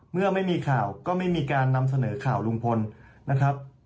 เมื่อไม่มีข่าวก็ไม่มีการนำเสนอข่าวลุงพลนะครับ